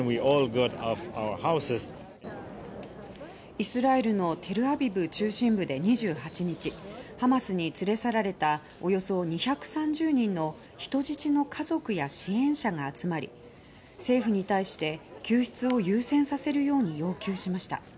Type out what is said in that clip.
イスラエルのテルアビブ中心部で２８日ハマスに連れ去られたおよそ２３０人の人質の家族や支援者が集まり政府に対して、救出を優先させるように要求しました。